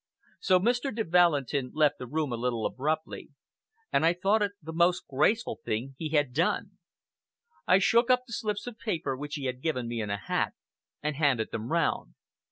So Mr. de Valentin left the room a little abruptly, and I thought it the most graceful thing he had done. I shook up the slips of paper, which he had given me in a hat, and handed them round.